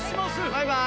バイバーイ！